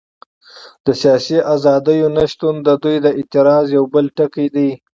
د سیاسي ازادیو نه شتون د دوی د اعتراض یو بل ټکی دی.